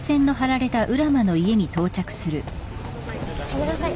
ごめんなさい。